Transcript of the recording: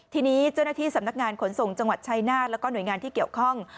ทีนี้เจ้าหน้าที่สำนักงานขนส่งจังหวัดชายนาฏแล้วก็หน่วยงานที่เกี่ยวข้อง